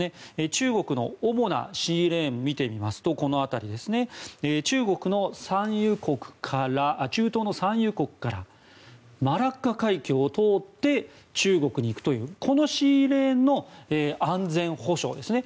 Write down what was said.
中国の主なシーレーンを見てみますとこの辺り、中東の産油国からマラッカ海峡を通って中国に行くというこのシーレーンの安全保障ですね。